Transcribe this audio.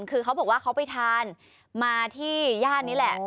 คือเขาบอกว่าเขาไปทานมาที่ย่านนี้แหละ